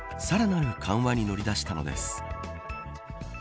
さらなる緩和に乗り出したのです。